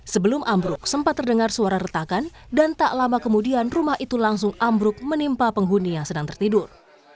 sebelum ambruk sempat terdengar suara retakan dan tak lama kemudian rumah itu langsung ambruk menimpa penghuni yang sedang tertidur